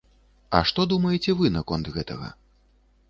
А што думаеце вы наконт гэтага?